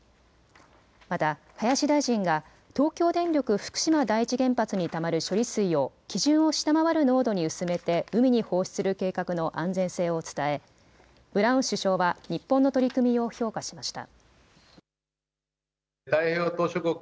また林大臣が東京電力福島第一原発にたまる処理水を基準を下回る濃度に薄めて海に放出する計画の安全性を伝えブラウン首相は日本の取り組みを評価しました。